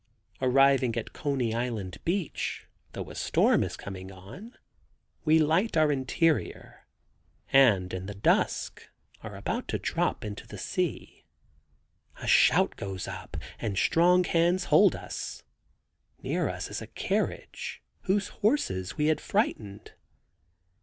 Arriving at Coney Island beach, though a storm is coming on, we light our interior and in the dusk are about to drop into the sea. A shout goes up outside and strong hands hold us. Near us is a carriage whose horses we had frightened.